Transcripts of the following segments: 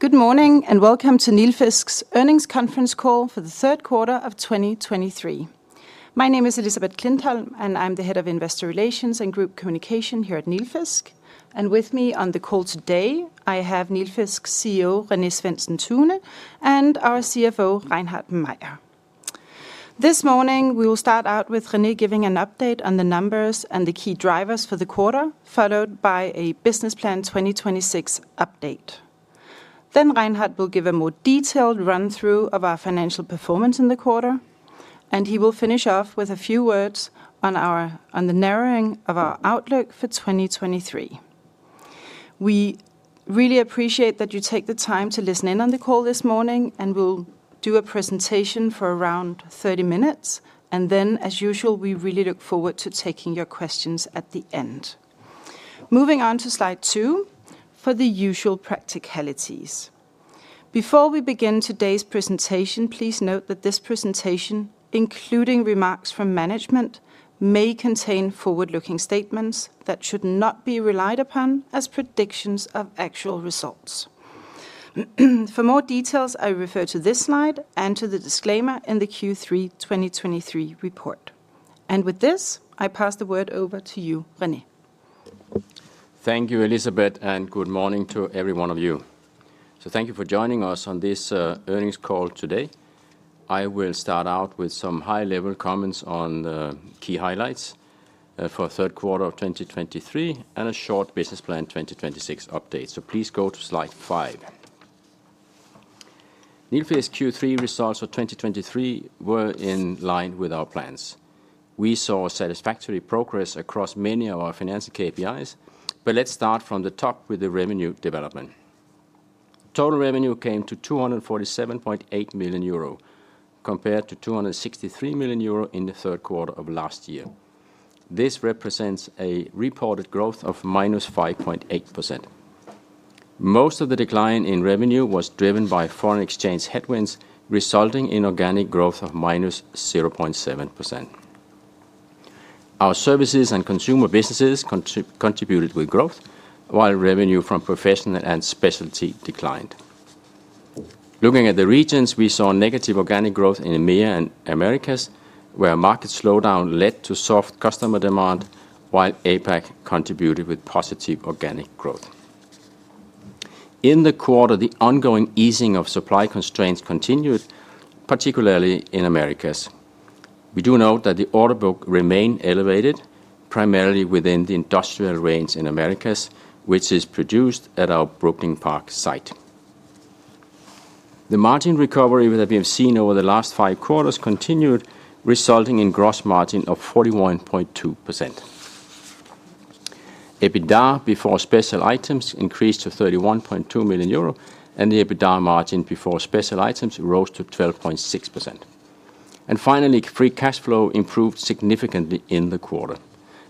Good morning, and welcome to Nilfisk's earnings conference call for the third quarter of 2023. My name is Elisabeth Klintholm, and I'm the Head of Investor Relations and Group Communication here at Nilfisk. And with me on the call today, I have Nilfisk's CEO, René Svendsen-Tune, and our CFO, Reinhard Mayer. This morning, we will start out with René giving an update on the numbers and the key drivers for the quarter, followed by a Business Plan 2026 update. Then Reinhard will give a more detailed run-through of our financial performance in the quarter, and he will finish off with a few words on the narrowing of our outlook for 2023. We really appreciate that you take the time to listen in on the call this morning, and we'll do a presentation for around 30 minutes, and then, as usual, we really look forward to taking your questions at the end. Moving on to slide 2 for the usual practicalities. Before we begin today's presentation, please note that this presentation, including remarks from management, may contain forward-looking statements that should not be relied upon as predictions of actual results. For more details, I refer to this slide and to the disclaimer in the Q3 2023 report. With this, I pass the word over to you, René. Thank you, Elisabeth, and good morning to every one of you. So thank you for joining us on this, earnings call today. I will start out with some high-level comments on the key highlights, for third quarter of 2023 and a short business plan twenty twenty-six update. So please go to slide 5. Nilfisk's Q3 results for 2023 were in line with our plans. We saw satisfactory progress across many of our financial KPIs, but let's start from the top with the revenue development. Total revenue came to 247.8 million euro, compared to 263 million euro in the third quarter of last year. This represents a reported growth of -5.8%. Most of the decline in revenue was driven by foreign exchange headwinds, resulting in organic growth of -0.7%. Our services and consumer businesses contributed with growth, while revenue from professional and specialty declined. Looking at the regions, we saw negative organic growth in EMEA and Americas, where market slowdown led to soft customer demand, while APAC contributed with positive organic growth. In the quarter, the ongoing easing of supply constraints continued, particularly in Americas. We do note that the order book remained elevated, primarily within the industrial range in Americas, which is produced at our Brooklyn Park site. The margin recovery that we have seen over the last five quarters continued, resulting in gross margin of 41.2%. EBITDA before special items increased to 31.2 million euro, and the EBITDA margin before special items rose to 12.6%. And finally, free cash flow improved significantly in the quarter.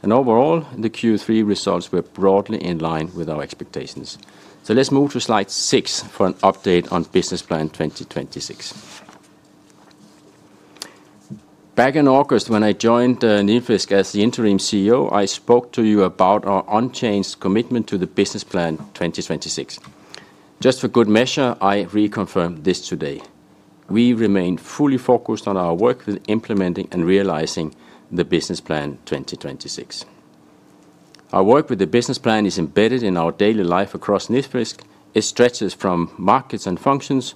And overall, the Q3 results were broadly in line with our expectations. So let's move to slide 6 for an update on Business Plan 2026. Back in August, when I joined, Nilfisk as the interim CEO, I spoke to you about our unchanged commitment to the Business Plan 2026. Just for good measure, I reconfirm this today. We remain fully focused on our work with implementing and realizing the Business Plan 2026. Our work with the business plan is embedded in our daily life across Nilfisk. It stretches from markets and functions,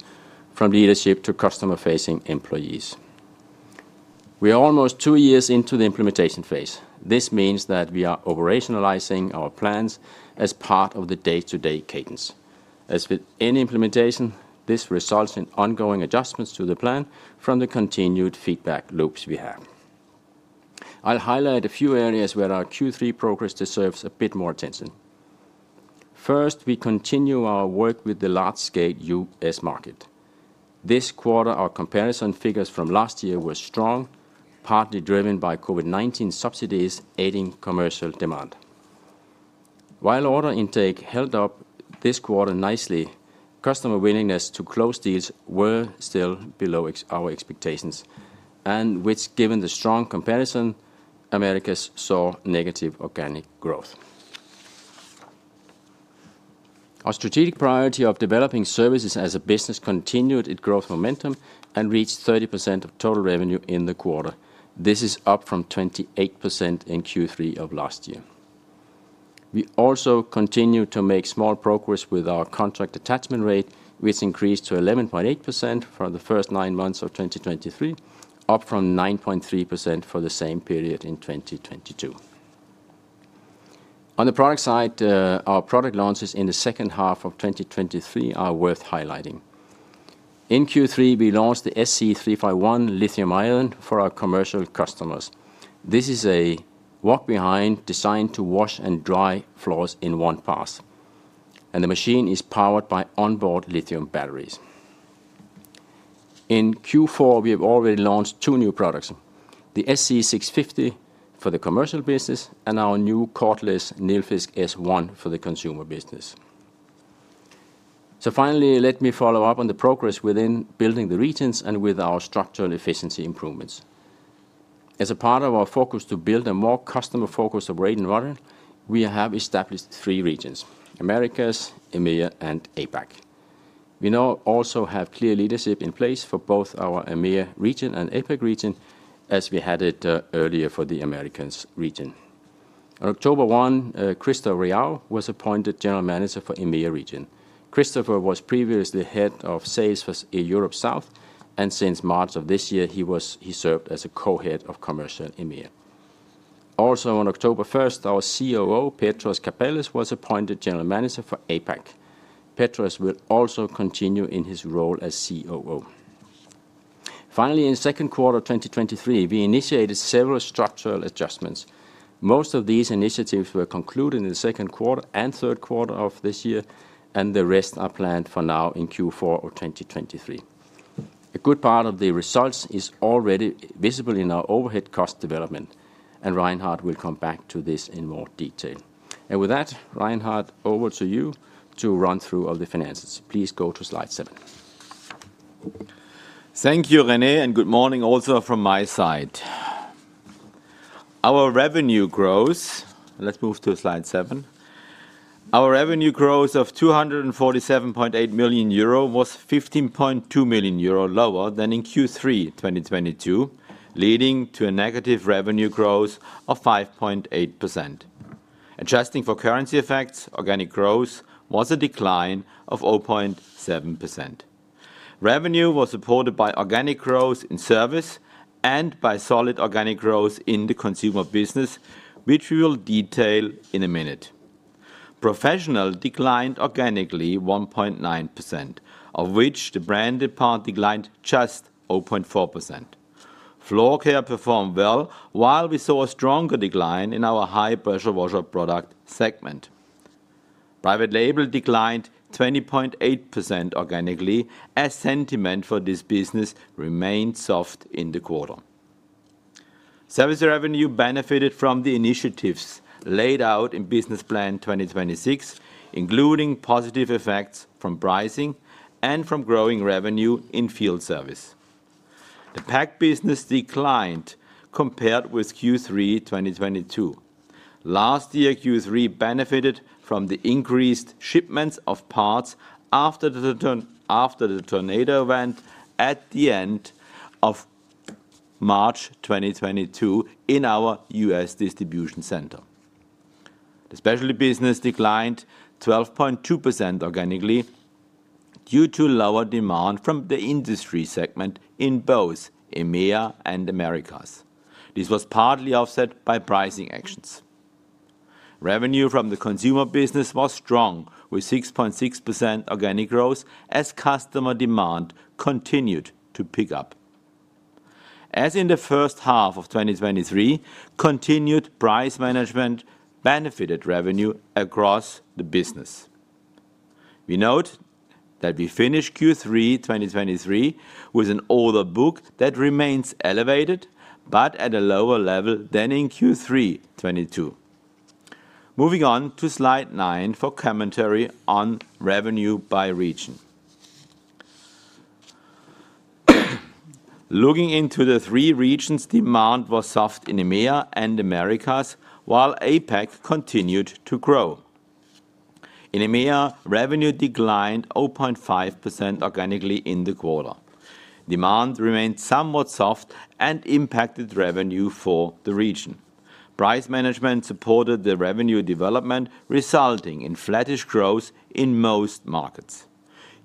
from leadership to customer-facing employees. We are almost two years into the implementation phase. This means that we are operationalizing our plans as part of the day-to-day cadence. As with any implementation, this results in ongoing adjustments to the plan from the continued feedback loops we have. I'll highlight a few areas where our Q3 progress deserves a bit more attention. First, we continue our work with the large-scale US market. This quarter, our comparison figures from last year were strong, partly driven by COVID-19 subsidies aiding commercial demand. While order intake held up this quarter nicely, customer willingness to close deals were still below our expectations, and which, given the strong comparison, Americas saw negative organic growth. Our strategic priority of developing services as a business continued its growth momentum and reached 30% of total revenue in the quarter. This is up from 28% in Q3 of last year. We also continued to make small progress with our contract attachment rate, which increased to 11.8% for the first 9 months of 2023, up from 9.3% for the same period in 2022. On the product side, our product launches in the second half of 2023 are worth highlighting. In Q3, we launched the SC351 lithium-ion for our commercial customers. This is a walk-behind designed to wash and dry floors in one pass, and the machine is powered by onboard lithium batteries. In Q4, we have already launched two new products, the SC650 for the commercial business and our new cordless Nilfisk S1 for the consumer business. So finally, let me follow up on the progress within building the regions and with our structural efficiency improvements. As a part of our focus to build a more customer-focused operating model, we have established three regions: Americas, EMEA, and APAC. We now also have clear leadership in place for both our EMEA region and APAC region, as we had it, earlier for the Americas region. On October 1, Christopher Riau was appointed General Manager for EMEA region. Christopher was previously Head of Sales for Europe South, and since March of this year, he served as a Co-Head of Commercial EMEA. Also, on October 1, our COO, Petros Kapalos, was appointed General Manager for APAC. Petros will also continue in his role as COO. Finally, in the second quarter of 2023, we initiated several structural adjustments. Most of these initiatives were concluded in the second quarter and third quarter of this year, and the rest are planned for now in Q4 of 2023. A good part of the results is already visible in our overhead cost development, and Reinhard will come back to this in more detail. And with that, Reinhard, over to you to run through all the finances. Please go to slide 7. Thank you, René, and good morning also from my side. Our revenue growth... Let's move to slide 7. Our revenue growth of 247.8 million euro was 15.2 million euro lower than in Q3 2022, leading to a negative revenue growth of 5.8%. Adjusting for currency effects, organic growth was a decline of 0.7%. Revenue was supported by organic growth in service and by solid organic growth in the consumer business, which we will detail in a minute. Professional declined organically 1.9%, of which the branded part declined just 0.4%. Floor care performed well, while we saw a stronger decline in our high-pressure washer product segment. Private Label declined 20.8% organically, as sentiment for this business remained soft in the quarter. Service revenue benefited from the initiatives laid out in Business Plan 2026, including positive effects from pricing and from growing revenue in field service. The PAC business declined compared with Q3 2022. Last year, Q3 benefited from the increased shipments of parts after the tornado event at the end of March 2022 in our U.S. distribution center. The specialty business declined 12.2% organically due to lower demand from the industry segment in both EMEA and Americas. This was partly offset by pricing actions. Revenue from the consumer business was strong, with 6.6% organic growth as customer demand continued to pick up. As in the first half of 2023, continued price management benefited revenue across the business. We note that we finished Q3 2023 with an Order Book that remains elevated, but at a lower level than in Q3 2022. Moving on to Slide 9 for commentary on revenue by region. Looking into the three regions, demand was soft in EMEA and Americas, while APAC continued to grow. In EMEA, revenue declined 0.5% organically in the quarter. Demand remained somewhat soft and impacted revenue for the region. Price management supported the revenue development, resulting in flattish growth in most markets.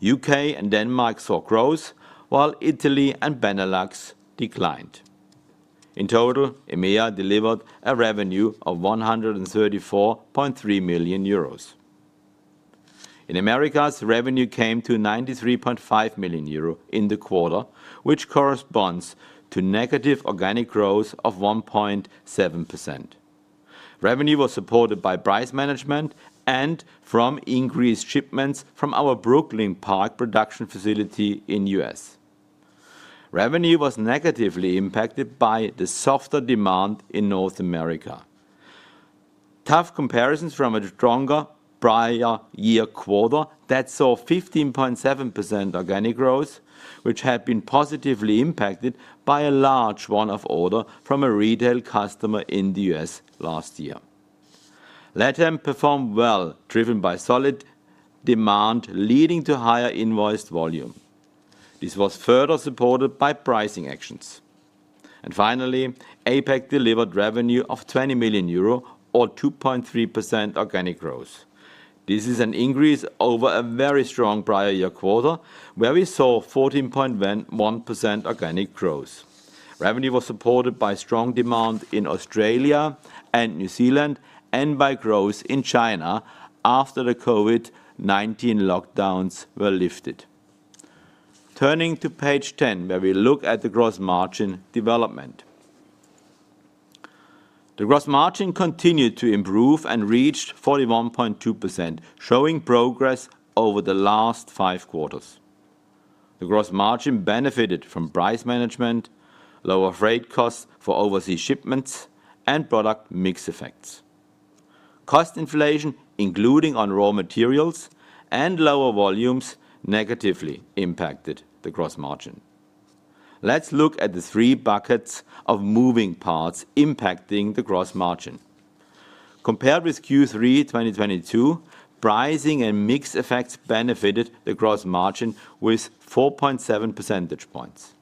UK and Denmark saw growth, while Italy and Benelux declined. In total, EMEA delivered a revenue of 134.3 million euros. In Americas, revenue came to 93.5 million euro in the quarter, which corresponds to negative organic growth of 1.7%. Revenue was supported by price management and from increased shipments from our Brooklyn Park production facility in U.S. Revenue was negatively impacted by the softer demand in North America. Tough comparisons from a stronger prior year quarter that saw 15.7% organic growth, which had been positively impacted by a large one-off order from a retail customer in the U.S. last year. LATAM performed well, driven by solid demand, leading to higher invoiced volume. This was further supported by pricing actions. Finally, APAC delivered revenue of 20 million euro or 2.3% organic growth. This is an increase over a very strong prior year quarter, where we saw 14.1% organic growth. Revenue was supported by strong demand in Australia and New Zealand and by growth in China after the COVID-19 lockdowns were lifted. Turning to page 10, where we look at the gross margin development. The gross margin continued to improve and reached 41.2%, showing progress over the last five quarters. The gross margin benefited from price management, lower freight costs for overseas shipments, and product mix effects. Cost inflation, including on raw materials and lower volumes, negatively impacted the gross margin. Let's look at the three buckets of moving parts impacting the gross margin. Compared with Q3 2022, pricing and mix effects benefited the gross margin with 4.7 percentage points.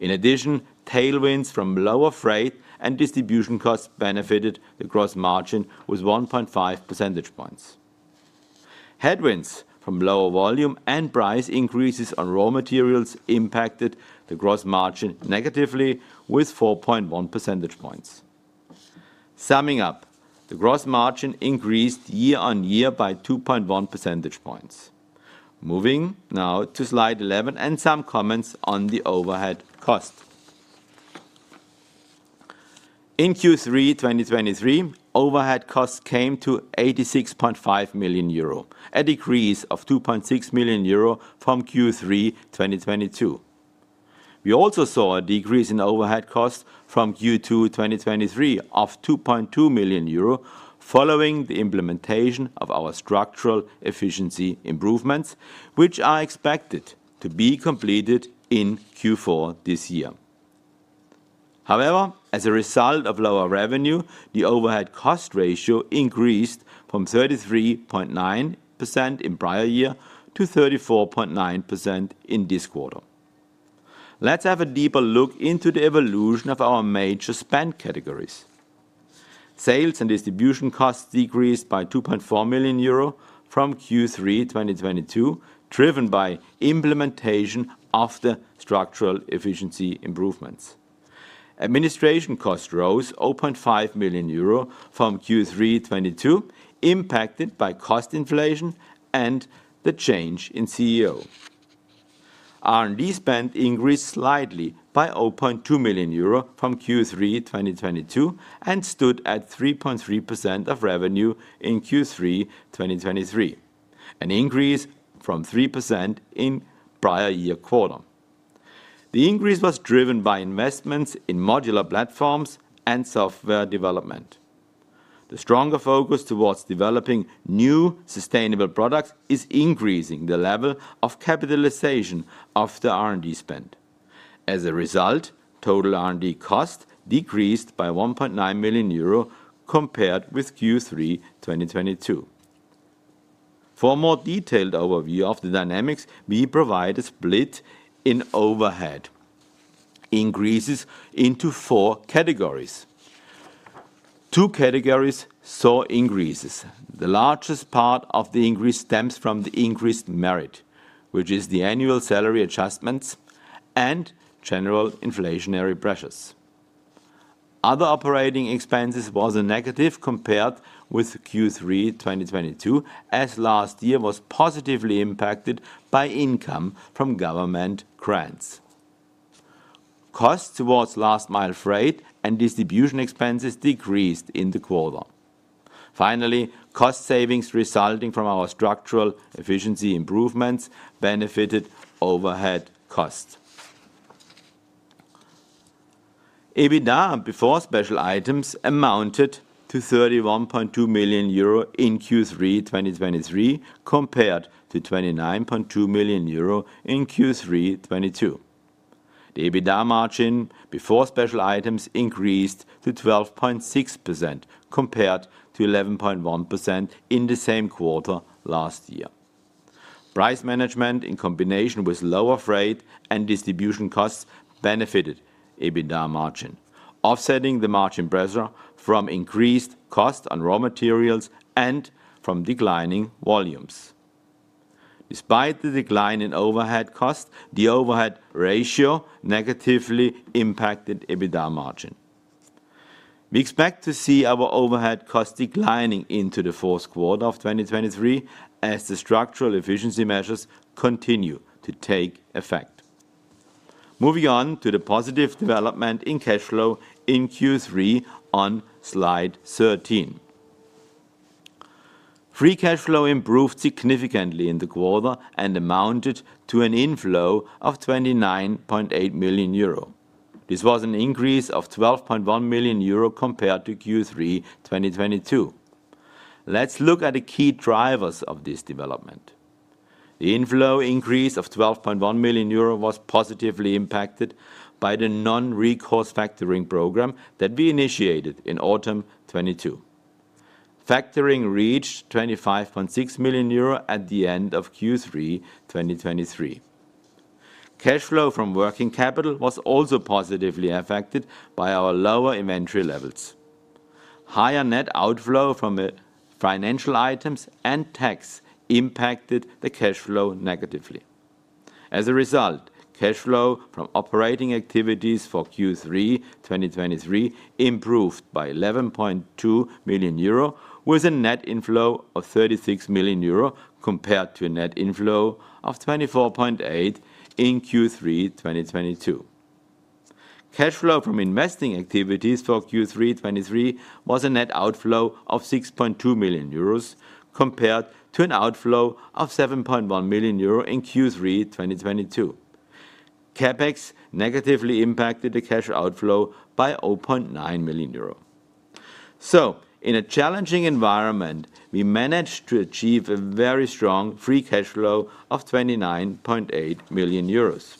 In addition, tailwinds from lower freight and distribution costs benefited the gross margin with 1.5 percentage points. Headwinds from lower volume and price increases on raw materials impacted the gross margin negatively with 4.1 percentage points. Summing up, the gross margin increased year-on-year by 2.1 percentage points. Moving now to slide 11 and some comments on the overhead cost. In Q3 2023, overhead costs came to 86.5 million euro, a decrease of 2.6 million euro from Q3 2022. We also saw a decrease in overhead costs from Q2 2023 of 2.2 million euro, following the implementation of our structural efficiency improvements, which are expected to be completed in Q4 this year. However, as a result of lower revenue, the overhead cost ratio increased from 33.9% in prior year to 34.9% in this quarter. Let's have a deeper look into the evolution of our major spend categories. Sales and distribution costs decreased by 2.4 million euro from Q3 2022, driven by implementation of the structural efficiency improvements. Administration costs rose 0.5 million euro from Q3 2022, impacted by cost inflation and the change in CEO. R&D spend increased slightly by 0.2 million euro from Q3 2022, and stood at 3.3% of revenue in Q3 2023, an increase from 3% in prior year quarter. The increase was driven by investments in modular platforms and software development. The stronger focus towards developing new sustainable products is increasing the level of capitalization of the R&D spend. As a result, total R&D cost decreased by 1.9 million euro compared with Q3 2022. For a more detailed overview of the dynamics, we provide a split in overhead increases into four categories. Two categories saw increases. The largest part of the increase stems from the increased merit, which is the annual salary adjustments and general inflationary pressures. Other operating expenses was a negative compared with Q3 2022, as last year was positively impacted by income from government grants. Costs towards last mile freight and distribution expenses decreased in the quarter. Finally, cost savings resulting from our structural efficiency improvements benefited overhead costs. EBITDA before special items amounted to 31.2 million euro in Q3 2023, compared to 29.2 million euro in Q3 2022. The EBITDA margin before special items increased to 12.6%, compared to 11.1% in the same quarter last year. Price management, in combination with lower freight and distribution costs, benefited EBITDA margin, offsetting the margin pressure from increased cost on raw materials and from declining volumes. Despite the decline in overhead costs, the overhead ratio negatively impacted EBITDA margin. We expect to see our overhead cost declining into the fourth quarter of 2023, as the structural efficiency measures continue to take effect. Moving on to the positive development in cash flow in Q3 on slide 13. Free cash flow improved significantly in the quarter and amounted to an inflow of 29.8 million euro. This was an increase of 12.1 million euro compared to Q3 2022. Let's look at the key drivers of this development. The inflow increase of 12.1 million euro was positively impacted by the non-recourse factoring program that we initiated in autumn 2022. Factoring reached 25.6 million euro at the end of Q3 2023. Cash flow from working capital was also positively affected by our lower inventory levels. Higher net outflow from financial items and tax impacted the cash flow negatively. As a result, cash flow from operating activities for Q3 2023 improved by 11.2 million euro, with a net inflow of 36 million euro compared to a net inflow of 24.8 million in Q3 2022. Cash flow from investing activities for Q3 2023 was a net outflow of 6.2 million euros compared to an outflow of 7.1 million euro in Q3 2022. CapEx negatively impacted the cash outflow by 0.9 million euro. So, in a challenging environment, we managed to achieve a very strong free cash flow of 29.8 million euros.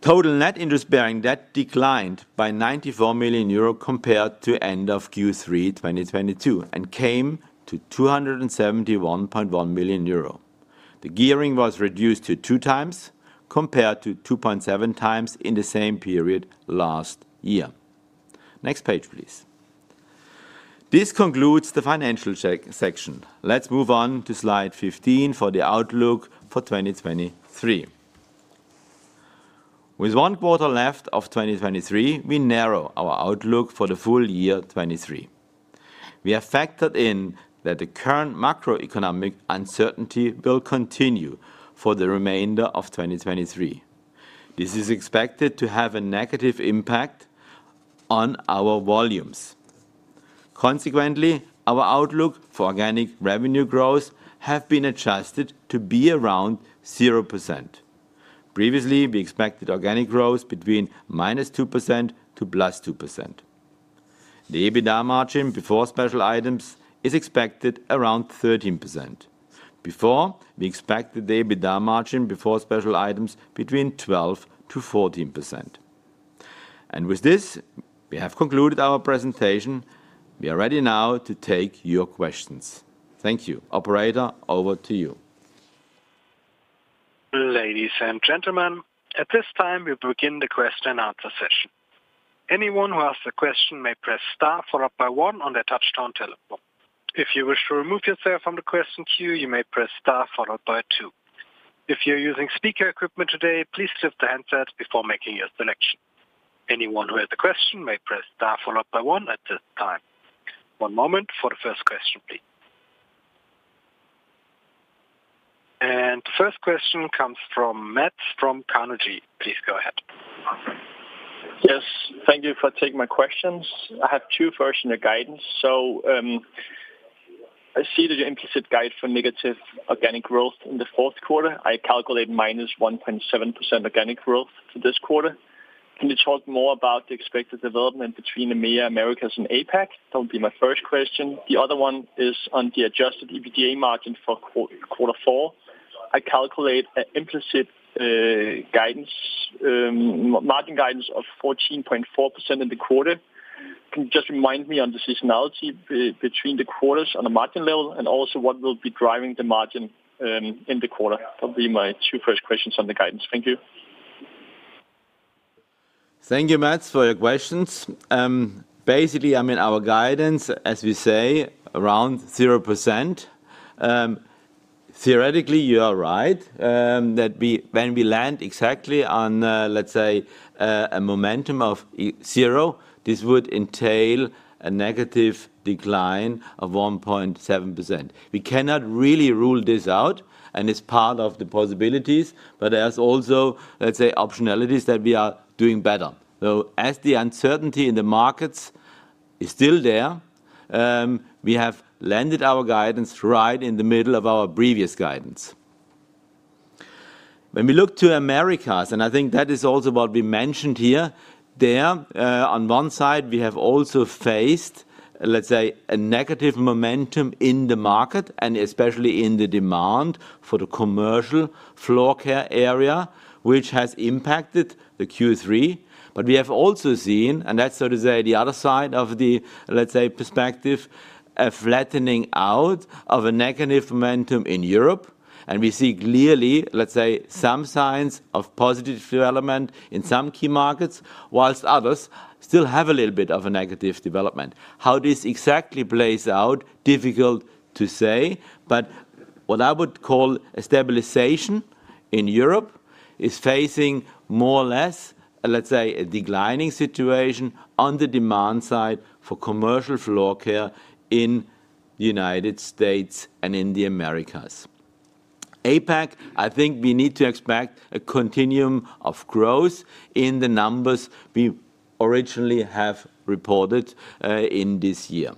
Total net interest-bearing debt declined by 94 million euro compared to end of Q3 2022, and came to 271.1 million euro. The gearing was reduced to 2x, compared to 2.7x in the same period last year. Next page, please. This concludes the financial section. Let's move on to slide 15 for the outlook for 2023. With one quarter left of 2023, we narrow our outlook for the full year 2023. We have factored in that the current macroeconomic uncertainty will continue for the remainder of 2023. This is expected to have a negative impact on our volumes. Consequently, our outlook for organic revenue growth have been adjusted to be around 0%. Previously, we expected organic growth between -2% to +2%. The EBITDA margin before special items is expected around 13%. Before, we expected the EBITDA margin before special items between 12%-14%. With this, we have concluded our presentation. We are ready now to take your questions. Thank you. Operator, over to you. Ladies and gentlemen, at this time, we begin the question and answer session. Anyone who has a question may press star followed by one on their touchtone telephone. If you wish to remove yourself from the question queue, you may press star followed by two. If you're using speaker equipment today, please lift the handset before making your selection. Anyone who has a question may press star followed by one at this time. One moment for the first question, please. First question comes from Mads from Carnegie. Please go ahead. Yes, thank you for taking my questions. I have two. First, in the guidance. So, I see that your implicit guide for negative organic growth in the fourth quarter, I calculate -1.7% organic growth for this quarter. Can you talk more about the expected development between the EMEA, Americas, and APAC? That would be my first question. The other one is on the adjusted EBITDA margin for quarter four. I calculate an implicit guidance margin guidance of 14.4% in the quarter. Can you just remind me on the seasonality between the quarters on a margin level, and also what will be driving the margin in the quarter? That'll be my two first questions on the guidance. Thank you. Thank you, Mads, for your questions. Basically, I mean, our guidance, as we say, around 0%. Theoretically, you are right, that we, when we land exactly on, let's say, a momentum of zero, this would entail a negative decline of 1.7%. We cannot really rule this out, and it's part of the possibilities, but there's also, let's say, optionalities that we are doing better. So as the uncertainty in the markets is still there, we have landed our guidance right in the middle of our previous guidance. When we look to Americas, and I think that is also what we mentioned here, there, on one side, we have also faced, let's say, a negative momentum in the market and especially in the demand for the commercial floor care area, which has impacted the Q3. But we have also seen, and that's, so to say, the other side of the, let's say, perspective, a flattening out of a negative momentum in Europe. And we see clearly, let's say, some signs of positive development in some key markets, while others still have a little bit of a negative development. How this exactly plays out, difficult to say, but what I would call a stabilization in Europe, is facing more or less, let's say, a declining situation on the demand side for commercial floor care in the United States and in the Americas. APAC, I think we need to expect a continuum of growth in the numbers we originally have reported, in this year.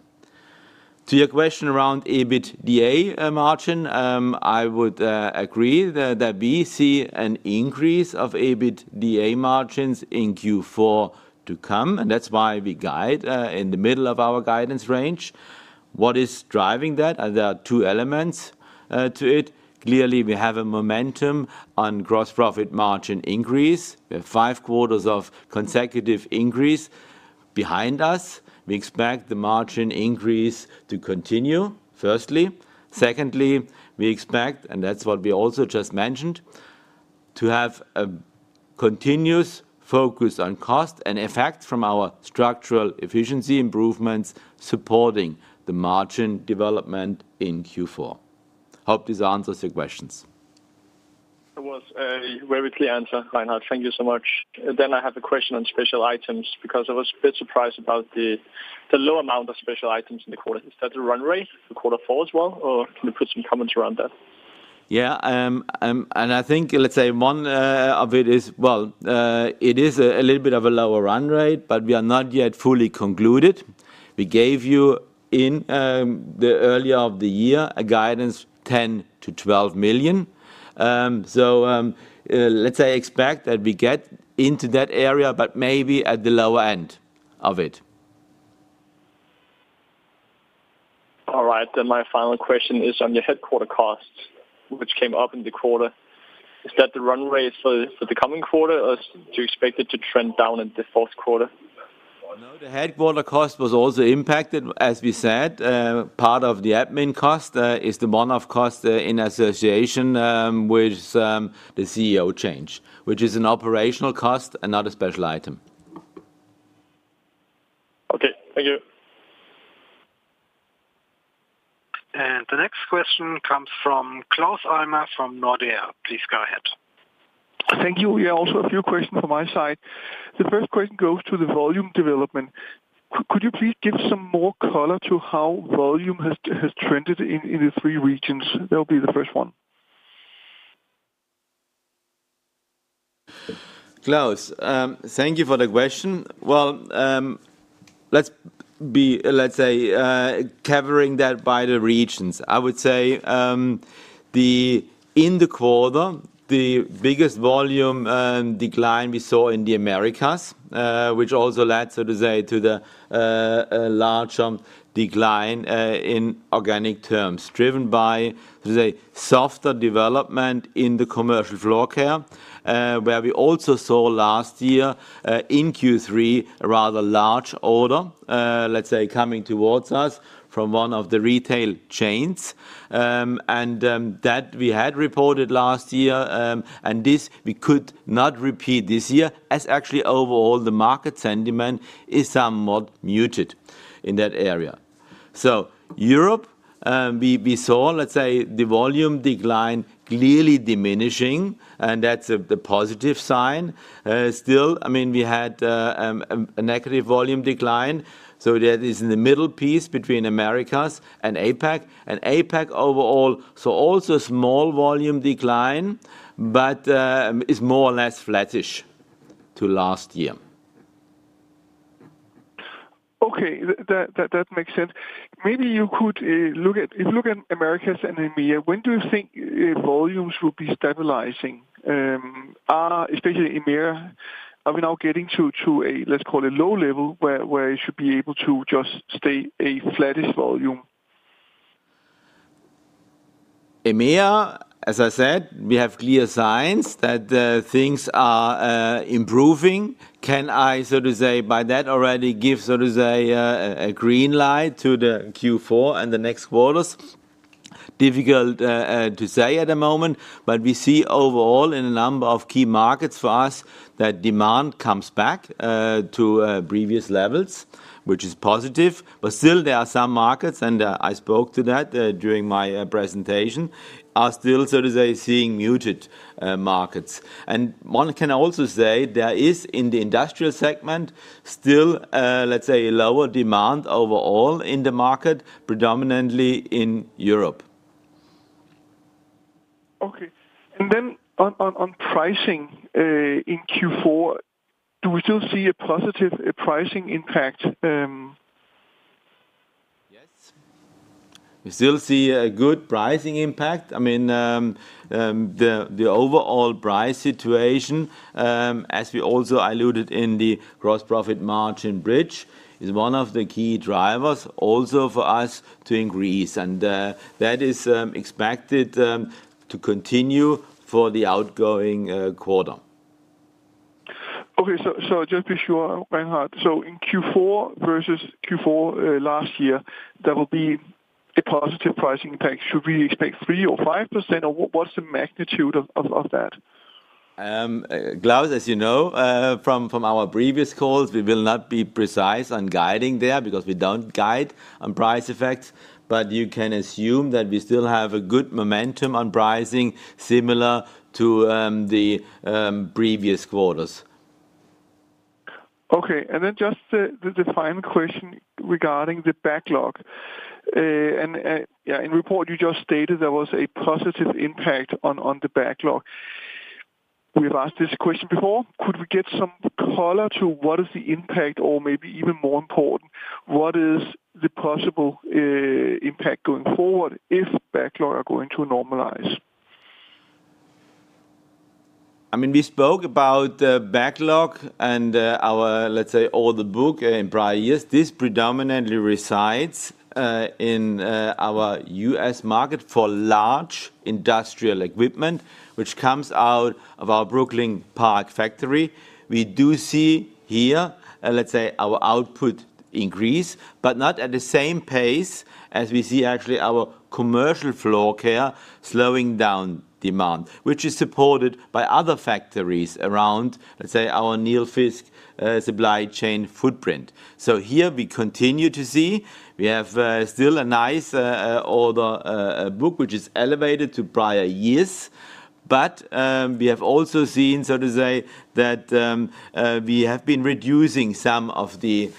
To your question around EBITDA margin, I would agree that we see an increase of EBITDA margins in Q4 to come, and that's why we guide in the middle of our guidance range. What is driving that? There are two elements to it. Clearly, we have a momentum on gross profit margin increase. We have five quarters of consecutive increase behind us. We expect the margin increase to continue, firstly. Secondly, we expect, and that's what we also just mentioned, to have a continuous focus on cost and effect from our structural efficiency improvements supporting the margin development in Q4. I hope this answers your questions. It was a very clear answer, Reinhard. Thank you so much. Then I have a question on special items, because I was a bit surprised about the low amount of special items in the quarter. Is that the run rate for quarter four as well, or can you put some comments around that?... Yeah, and I think, let's say one of it is, well, it is a little bit of a lower run rate, but we are not yet fully concluded. We gave you in the early part of the year a guidance 10 million-12 million. So, let's say expect that we get into that area, but maybe at the lower end of it. All right, then my final question is on your headquarters costs, which came up in the quarter. Is that the run rate for the coming quarter, or do you expect it to trend down in the fourth quarter? No, the headquarters cost was also impacted, as we said, part of the admin cost is the one-off cost in association with the CEO change, which is an operational cost and not a special item. Okay, thank you. The next question comes from Claus Almer from Nordea. Please go ahead. Thank you. We also have a few questions from my side. The first question goes to the volume development. Could you please give some more color to how volume has trended in the three regions? That will be the first one. Claus, thank you for the question. Well, let's say, covering that by the regions. I would say, the... In the quarter, the biggest volume decline we saw in the Americas, which also led, so to say, to a large decline in organic terms, driven by the softer development in the commercial floor care, where we also saw last year in Q3, a rather large order, let's say, coming towards us from one of the retail chains. And that we had reported last year, and this we could not repeat this year, as actually overall, the market sentiment is somewhat muted in that area. So Europe, we saw, let's say, the volume decline clearly diminishing, and that's the positive sign. Still, I mean, we had a negative volume decline, so that is in the middle piece between Americas and APAC. And APAC overall, so also small volume decline, but is more or less flattish to last year. Okay. That makes sense. Maybe you could look at, if you look at Americas and EMEA, when do you think volumes will be stabilizing? Especially EMEA, are we now getting to a low level, where it should be able to just stay a flattish volume? EMEA, as I said, we have clear signs that things are improving. Can I, so to say, by that already give, so to say, a green light to the Q4 and the next quarters? Difficult to say at the moment, but we see overall in a number of key markets for us, that demand comes back to previous levels, which is positive. But still there are some markets, and I spoke to that during my presentation, are still, so to say, seeing muted markets. And one can also say there is, in the industrial segment, still, let's say, a lower demand overall in the market, predominantly in Europe. Okay. And then on pricing in Q4, do we still see a positive pricing impact? Yes. We still see a good pricing impact. I mean, the overall price situation, as we also alluded in the gross profit margin bridge, is one of the key drivers also for us to increase, and that is expected to continue for the outgoing quarter. Okay, so just to be sure, Reinhard, so in Q4 versus Q4 last year, there will be a positive pricing impact. Should we expect 3% or 5%, or what, what's the magnitude of that? Claus, as you know, from our previous calls, we will not be precise on guiding there because we don't guide on price effects, but you can assume that we still have a good momentum on pricing similar to the previous quarters. Okay, and then just the final question regarding the backlog. Yeah, in the report you just stated there was a positive impact on the backlog. We've asked this question before. Could we get some color to what is the impact or maybe even more important, what is the possible impact going forward if backlog are going to normalize? I mean, we spoke about the backlog and our, let's say, order book in prior years. This predominantly resides in our U.S. market for large industrial equipment, which comes out of our Brooklyn Park factory. We do see here, let's say, our output increase, but not at the same pace as we see actually our commercial floor care slowing down demand, which is supported by other factories around, let's say, our Nilfisk supply chain footprint. So here we continue to see, we have still a nice order book, which is elevated to prior years. But we have also seen, so to say, that we have been reducing some of the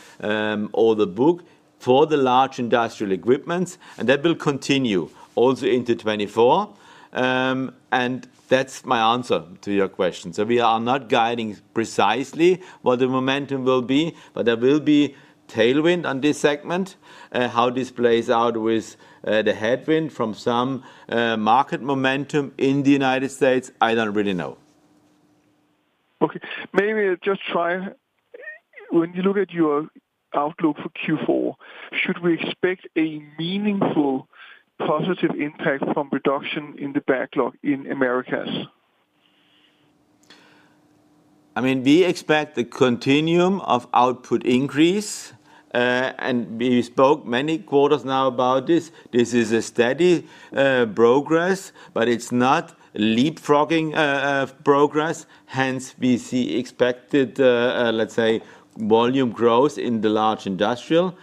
order book for the large industrial equipments, and that will continue also into 2024. And that's my answer to your question. So we are not guiding precisely what the momentum will be, but there will be tailwind on this segment. How this plays out with the headwind from some market momentum in the United States, I don't really know. Okay. Maybe just try, when you look at your outlook for Q4, should we expect a meaningful positive impact from reduction in the backlog in Americas? I mean, we expect the continuum of output increase, and we spoke many quarters now about this. This is a steady, progress, but it's not leapfrogging, progress, hence we see expected, let's say, volume growth in the large industrial.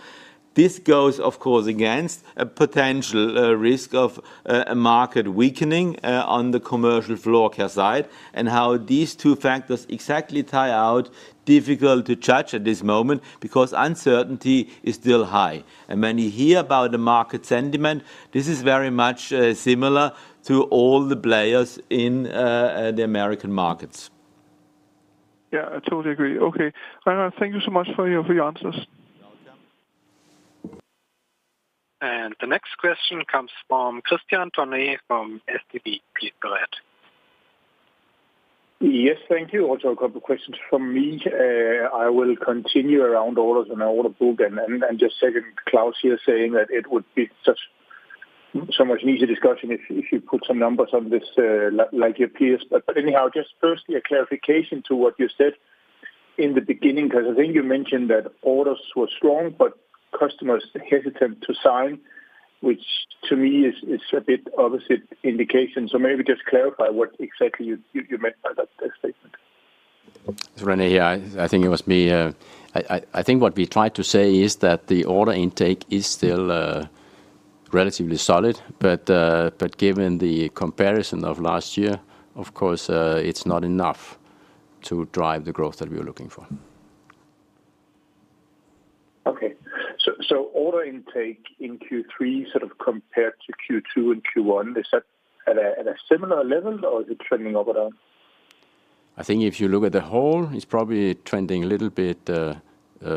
This goes, of course, against a potential, risk of, a market weakening, on the commercial floor care side, and how these two factors exactly tie out, difficult to judge at this moment, because uncertainty is still high. And when you hear about the market sentiment, this is very much, similar to all the players in, the American markets. Yeah, I totally agree. Okay. Thank you so much for your, for your answers. The next question comes from Kristian Tornøe from SEB. Please go ahead. Yes, thank you. Also, a couple questions from me. I will continue around orders and order book, and just second Claus here saying that it would be such so much easier discussion if you put some numbers on this, like, like your peers. But, anyhow, just firstly, a clarification to what you said in the beginning, because I think you mentioned that orders were strong, but customers are hesitant to sign, which to me is a bit opposite indication. So maybe just clarify what exactly you meant by that statement. René, yeah, I think it was me. I think what we tried to say is that the order intake is still relatively solid, but given the comparison of last year, of course, it's not enough to drive the growth that we're looking for. Okay. So order intake in Q3, sort of compared to Q2 and Q1, is that at a similar level or is it trending over down? I think if you look at the whole, it's probably trending a little bit,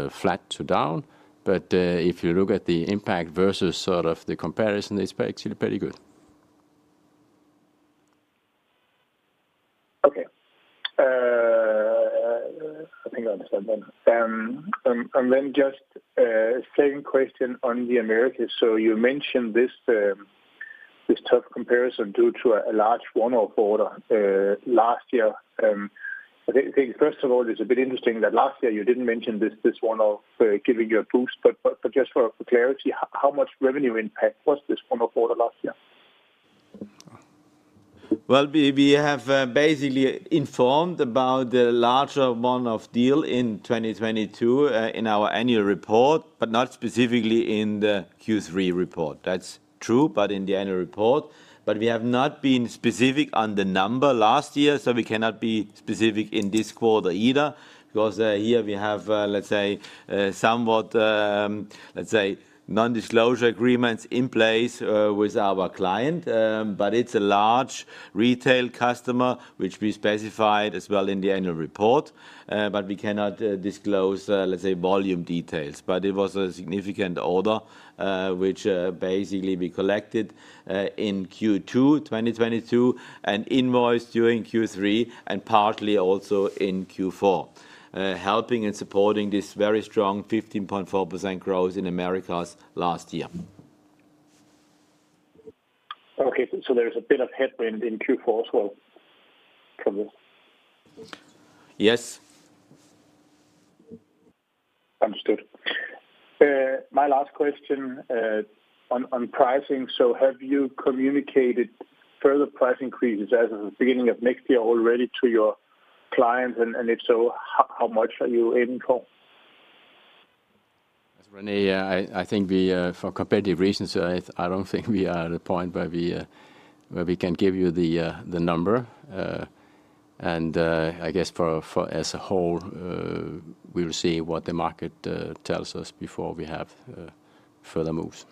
flat to down, but if you look at the impact versus sort of the comparison, it's actually pretty good. Okay. I think I understand then. And then just second question on the Americas. So you mentioned this tough comparison due to a large one-off order last year. I think first of all, it's a bit interesting that last year you didn't mention this one-off giving you a boost, but just for clarity, how much revenue impact was this one-off order last year? Well, we have basically informed about the larger one-off deal in 2022 in our annual report, but not specifically in the Q3 report. That's true, but in the annual report. But we have not been specific on the number last year, so we cannot be specific in this quarter either, because here we have, let's say, somewhat, let's say, non-disclosure agreements in place with our client. But it's a large retail customer, which we specified as well in the annual report, but we cannot disclose, let's say, volume details. But it was a significant order, which basically we collected in Q2 2022, and invoiced during Q3, and partly also in Q4, helping and supporting this very strong 15.4% growth in Americas last year. Okay, so there is a bit of headwind in Q4 as well from this? Yes. Understood. My last question on pricing, so have you communicated further price increases as of the beginning of next year already to your clients? And, if so, how much are you in call? René, I think for competitive reasons, I don't think we are at a point where we can give you the number. And I guess for as a whole, we'll see what the market tells us before we have further moves.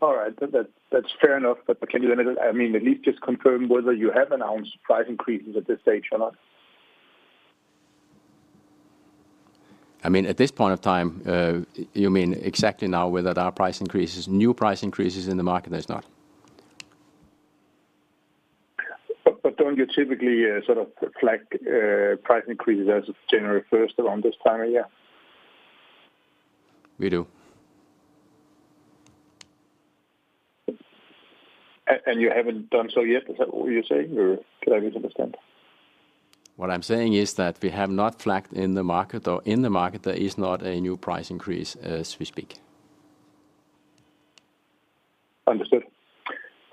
All right. That, that's fair enough. But can you then, I mean, at least just confirm whether you have announced price increases at this stage or not? I mean, at this point of time, you mean exactly now, whether there are price increases, new price increases in the market? There's not. But don't you typically sort of flag price increases as of January first around this time of year? We do. And you haven't done so yet, is that what you're saying, or did I misunderstand? What I'm saying is that we have not flagged in the market or in the market, there is not a new price increase as we speak. Understood.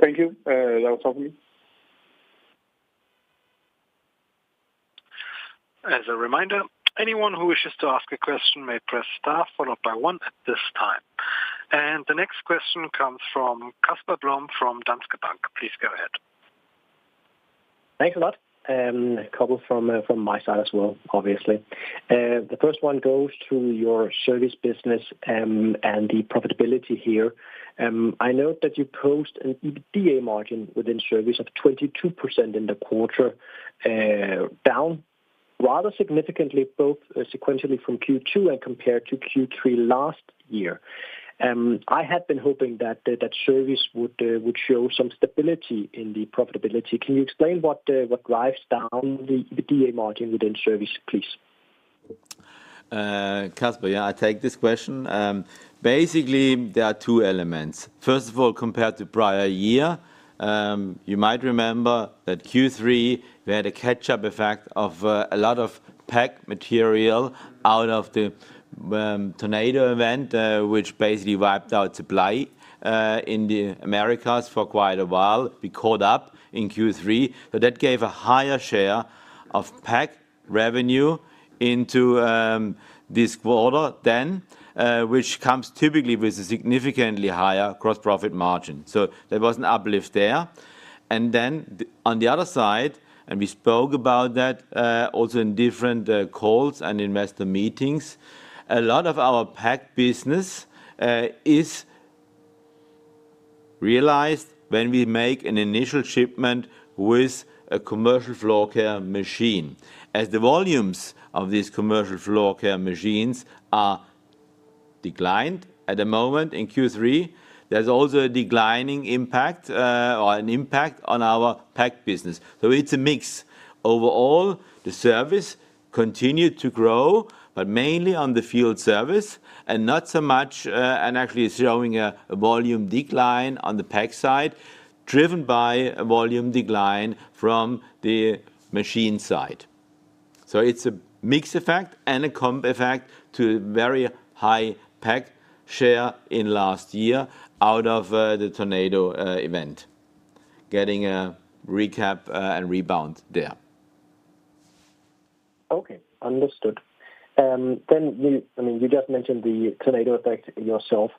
Thank you. That was helpful. ...As a reminder, anyone who wishes to ask a question may press star followed by one at this time. The next question comes from Casper Blom from Danske Bank. Please go ahead. Thanks a lot, couple from my side as well, obviously. The first one goes to your service business and the profitability here. I know that you post an EBITDA margin within service of 22% in the quarter, down rather significantly, both sequentially from Q2 and compared to Q3 last year. I had been hoping that service would show some stability in the profitability. Can you explain what drives down the EBITDA margin within service, please? Casper, yeah, I take this question. Basically, there are two elements. First of all, compared to prior year, you might remember that Q3 we had a catch-up effect of a lot of PAC material out of the tornado event, which basically wiped out supply in the Americas for quite a while. We caught up in Q3, but that gave a higher share of PAC revenue into this quarter then, which comes typically with a significantly higher gross profit margin. So there was an uplift there. And then the, on the other side, and we spoke about that also in different calls and investor meetings. A lot of our PAC business is realized when we make an initial shipment with a commercial floor care machine. As the volumes of these commercial floor care machines are declined at the moment in Q3, there's also a declining impact, or an impact on our PAC business. So it's a mix. Overall, the service continued to grow, but mainly on the field service, and not so much, and actually showing a volume decline on the PAC side, driven by a volume decline from the machine side. So it's a mix effect and a comp effect to very high PAC share in last year out of the tornado event, getting a recap, and rebound there. Okay, understood. Then you, I mean, you just mentioned the tornado effect yourself.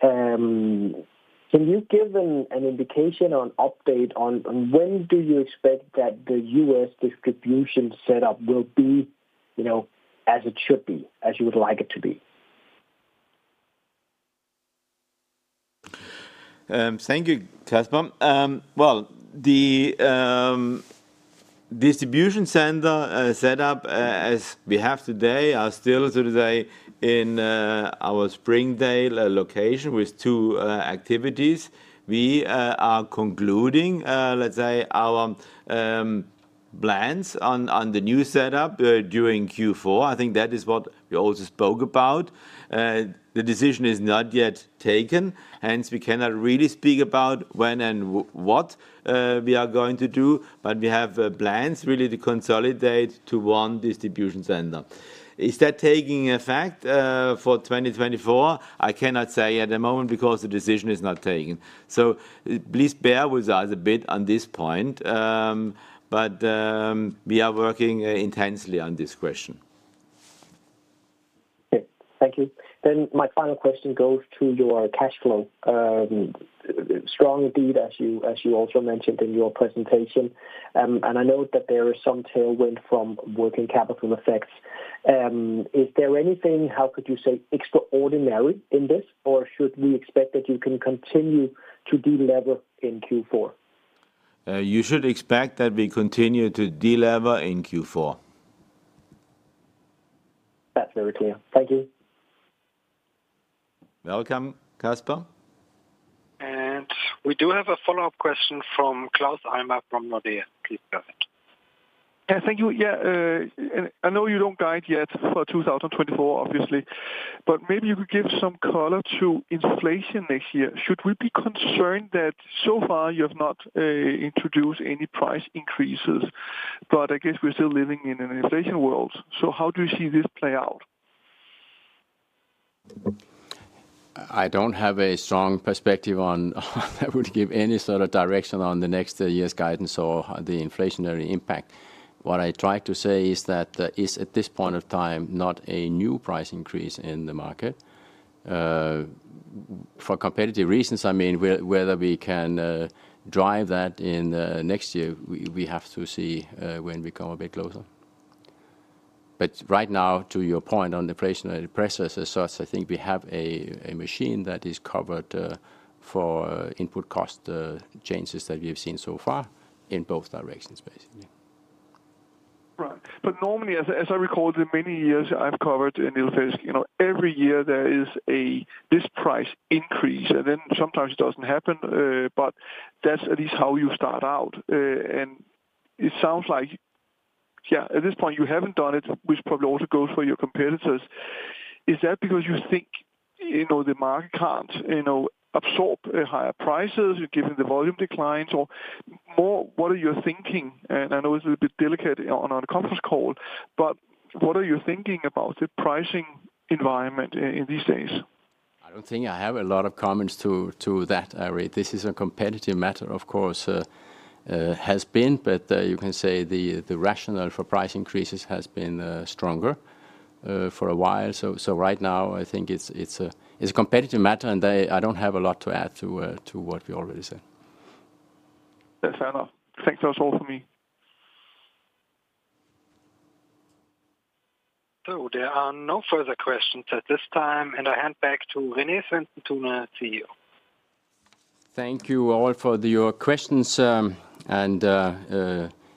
Can you give an indication or update on when do you expect that the U.S. distribution setup will be, you know, as it should be, as you would like it to be? Thank you, Casper. Well, the distribution center set up as we have today are still so today in our Springdale location with two activities. We are concluding, let's say, our plans on the new setup during Q4. I think that is what we also spoke about. The decision is not yet taken, hence we cannot really speak about when and what we are going to do, but we have plans really to consolidate to one distribution center. Is that taking effect for 2024? I cannot say at the moment because the decision is not taken. So please bear with us a bit on this point, but we are working intensely on this question. Okay, thank you. My final question goes to your cash flow. Strong indeed, as you, as you also mentioned in your presentation. I know that there is some tailwind from working capital effects. Is there anything, how could you say, extraordinary in this, or should we expect that you can continue to delever in Q4? You should expect that we continue to deleverage in Q4. That's very clear. Thank you. Welcome, Casper. We do have a follow-up question from Claus Almer from Nordea. Please go ahead. Yeah, thank you. Yeah, and I know you don't guide yet for 2024, obviously, but maybe you could give some color to inflation next year. Should we be concerned that so far you have not introduced any price increases? But I guess we're still living in an inflation world, so how do you see this play out? I don't have a strong perspective on that would give any sort of direction on the next year's guidance or the inflationary impact. What I try to say is that, is at this point of time, not a new price increase in the market, for competitive reasons, I mean, whether we can drive that in next year, we have to see when we come a bit closer. But right now, to your point on the inflationary pressures as such, I think we have a machine that is covered for input cost changes that we have seen so far in both directions, basically. Right. But normally, as I, as I recall, the many years I've covered Nilfisk, you know, every year there is a this price increase, and then sometimes it doesn't happen, but that's at least how you start out. And it sounds like, yeah, at this point, you haven't done it, which probably also goes for your competitors. Is that because you think, you know, the market can't, you know, absorb higher prices given the volume declines? Or more, what are you thinking? And I know it's a bit delicate on, on a conference call, but what are you thinking about the pricing environment in these days? I don't think I have a lot of comments to that, Ira. This is a competitive matter, of course, has been, but you can say the rationale for price increases has been stronger for a while. So right now, I think it's a competitive matter, and I don't have a lot to add to what we already said. That's all. I think that's all for me. There are no further questions at this time, and I hand back to René Svendsen-Tune, CEO. Thank you all for your questions, and,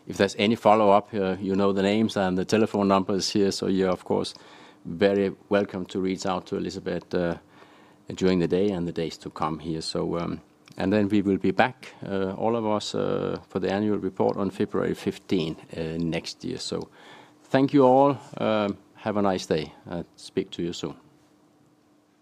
if there's any follow-up, you know, the names and the telephone numbers here, so you're, of course, very welcome to reach out to Elisabeth, during the day and the days to come here. So, and then we will be back, all of us, for the annual report on February 15, next year. So thank you all. Have a nice day. I'll speak to you soon.